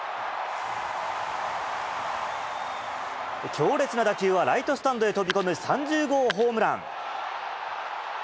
強烈な打球はライトスタンドへ飛び込む３０号ホームラン。